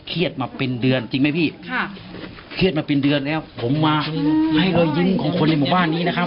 มาเป็นเดือนจริงไหมพี่ค่ะเครียดมาเป็นเดือนแล้วผมมาให้รอยยิ้มของคนในหมู่บ้านนี้นะครับ